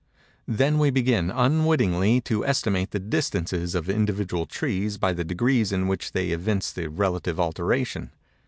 Then we begin, unwittingly, to estimate the distances of individual trees by the degrees in which they evince the relative alteration.